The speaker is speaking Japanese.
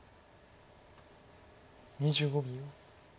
２５秒。